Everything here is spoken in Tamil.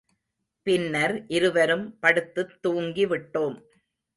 பின்னர் இருவரும் படுத்துத் துங்கிவிட்டோம்.